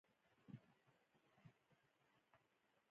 پنځمه برخه د هایدرولیک انجنیری ده.